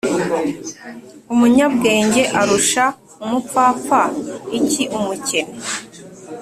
Umunyabwenge arusha umupfapfa iki Umukene